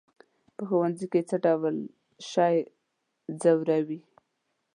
"په ښوونځي کې دې څه شی ځوروي؟"